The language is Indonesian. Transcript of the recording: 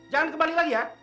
jangan kembali lagi ya